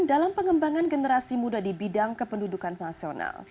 dalam pengembangan generasi muda di bidang kependudukan nasional